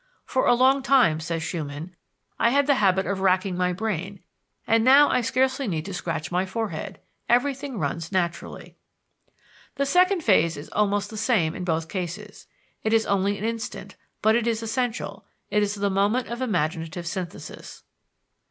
"For a long time," says Schumann, "I had the habit of racking my brain, and now I scarcely need to scratch my forehead. Everything runs naturally." The second phase is almost the same in both cases: it is only an instant, but it is essential it is the moment of imaginative synthesis.